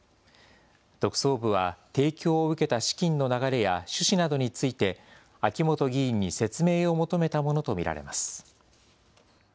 特捜部は提供を受けた資金の流れや趣旨などについて、秋本議員に説明を求めたものと見られます。